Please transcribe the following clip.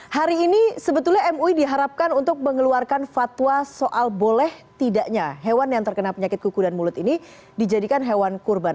hari ini sebetulnya mui diharapkan untuk mengeluarkan fatwa soal boleh tidaknya hewan yang terkena penyakit kuku dan mulut ini dijadikan hewan kurban